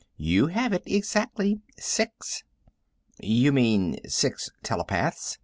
"You have it exactly. Six." "You mean six telepaths?"